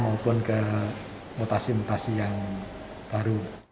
maupun ke mutasi mutasi yang baru